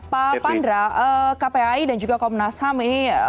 pak pandra kpai dan juga komnas ham ini